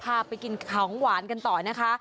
พาไปกินของหวานกันต่อนะคะ